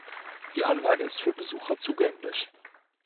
Die Anlage ist für Besucher zugänglich.